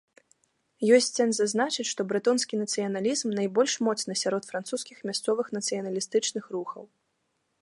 Ёсць сэнс зазначыць, што брэтонскі нацыяналізм найбольш моцны сярод французскіх мясцовых нацыяналістычных рухаў.